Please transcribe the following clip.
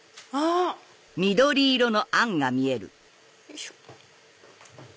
あ！よいしょ。